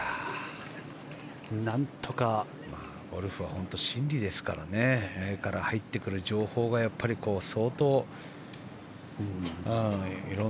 ゴルフは本当に心理ですからね、目から入ってくる情報が相当。